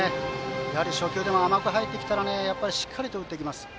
やはり初球でも甘く入ってきたらしっかりと打っていきます。